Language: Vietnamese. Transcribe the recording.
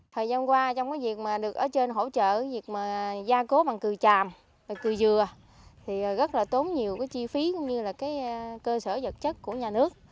thời gian qua trong cái việc mà được ở trên hỗ trợ việc gia cố bằng cừu tràm và cười dừa thì rất là tốn nhiều cái chi phí cũng như là cái cơ sở vật chất của nhà nước